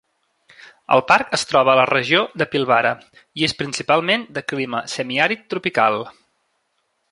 El parc es troba a la regió de Pilbara i és principalment de clima semiàrid tropical.